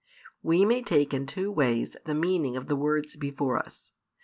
We may take in two ways the meaning of the words before us.